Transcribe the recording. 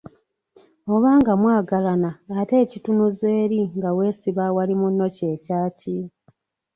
Oba nga mwagalagana ate ekitunuza eri nga weesiba awali munno kye kyaki?